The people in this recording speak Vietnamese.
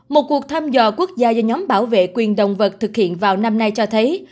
một cuộc thăm dò quốc gia do nhóm bảo vệ quyền động vật thực hiện vào năm nay cho thấy